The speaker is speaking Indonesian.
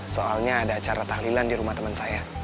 soalnya ada acara tahlilan di rumah teman saya